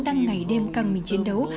đang ngày đêm căng mình chiến đấu